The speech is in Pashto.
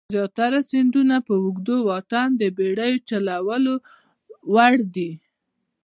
زیاتره سیندونه په اوږده واټن د بېړیو چلولو وړ دي.